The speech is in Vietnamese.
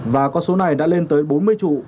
và con số này đã lên tới bốn mươi trụ